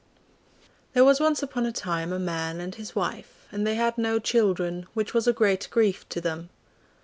There was once upon a time a man and his wife, and they had no children, which was a great grief to them.